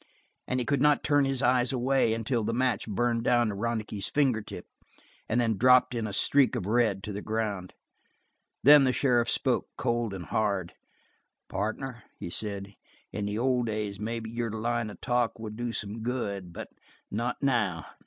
And he could not turn his eyes away until the match burned down to Ronicky's finger tip and then dropped in a streak of red to the ground. Then the sheriff spoke cold and hard. "Partner," he said, "in the old days, maybe your line of talk would do some good, but not now.